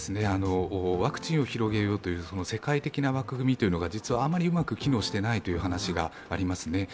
ワクチンを広げようという世界的な枠組みが実はあまりうまく機能していないという話がありますね。